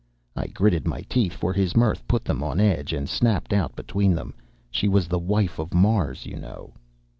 I gritted my teeth, for his mirth put them on edge, and snapped out between them, "She was the wife of Mars, you know."